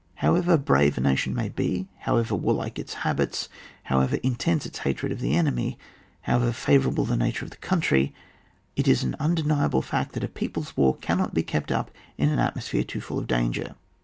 — However brave a nation may be, however warlike its habits, however intense its hatred of the enemy, however favourable the nature of the country, it is an imdeniable fact that a people's war cannot be kept up in an atmosphere too full of danger.